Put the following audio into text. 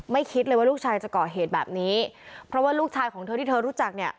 คิดเลยว่าลูกชายจะก่อเหตุแบบนี้เพราะว่าลูกชายของเธอที่เธอรู้จักเนี่ย